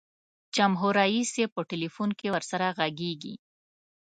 جمهور رئیس یې په ټلفون کې ورسره ږغیږي.